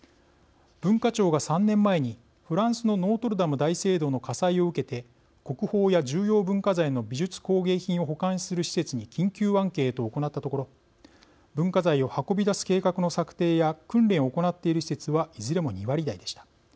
文化庁が３年前にフランスのノートルダム大聖堂の火災を受けて国宝や重要文化財の美術工芸品を保管する施設に緊急アンケートを行ったところ文化財を運び出す計画の策定や訓練を行っている施設はいずれも２割台でした。